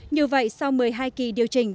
như vậy sau một mươi hai kỳ điều chỉnh